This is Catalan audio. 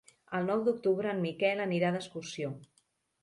El nou d'octubre en Miquel anirà d'excursió.